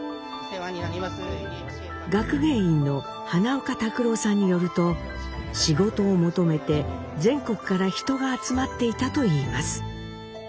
学芸員の花岡拓郎さんによると仕事を求めて全国から人が集まっていたといいます。